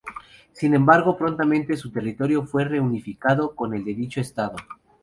Sin embargo prontamente su territorio fue reunificado con el de dicho estado.